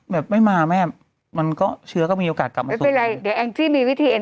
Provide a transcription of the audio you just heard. แบบไม่มาแม่มันก็เชื้อก็มีโอกาสกลับมาไม่เป็นไรเดี๋ยวแองจี้มีวิธีเอ็น